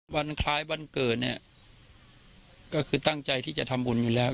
วันคล้ายวันเกิดเนี่ยก็คือตั้งใจที่จะทำบุญอยู่แล้ว